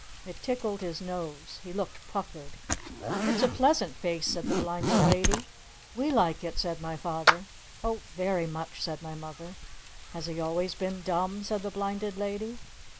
It tickled his nose. He looked puckered. "It's a pleasant face!" said the Blinded Lady. "We like it!" said my Father. "Oh very much!" said my Mother. "Has he always been dumb?" said the Blinded Lady.